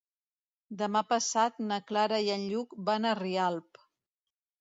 Demà passat na Clara i en Lluc van a Rialp.